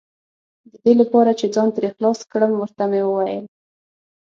د دې لپاره چې ځان ترې خلاص کړم، ور ته مې وویل.